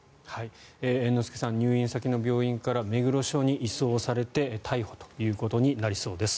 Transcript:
猿之助さん入院先の病院から目黒署に移送されて逮捕ということになりそうです。